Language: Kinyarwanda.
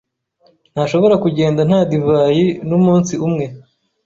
Ntashobora kugenda nta divayi n'umunsi umwe.